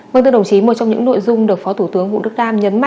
vâng thưa đồng chí một trong những nội dung được phó thủ tướng vũ đức đam nhấn mạnh